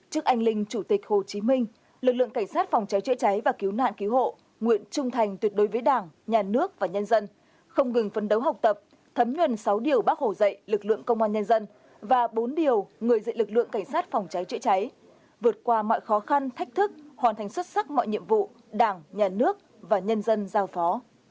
trước anh linh chủ tịch hồ chí minh lực lượng cảnh sát phòng trái trợi trái và cứu mạng cứu hộ nguyện trung thành tuyệt đối với đảng nhà nước và nhân dân không ngừng phấn đấu học tập thấm nguyên sáu điều bác hồ dạy lực lượng công an nhân dân và bốn điều người dị lực lượng cảnh sát phòng trái trợi trái vượt qua mọi khó khăn thách thức hoàn thành xuất sắc mọi nhiệm vụ đảng nhà nước và nhân dân giao phó